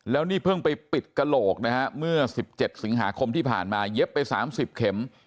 แล้วนี่เพิ่งไปปิดกระโหลกนะฮะเมื่อ๑๗สิงหาคมที่ผ่านมาเย็บไป๓๐เข็ม